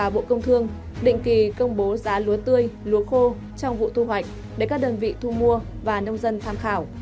bộ công thương định kỳ công bố giá lúa tươi lúa khô trong vụ thu hoạch để các đơn vị thu mua và nông dân tham khảo